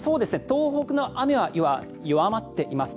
東北の雨は弱まっています。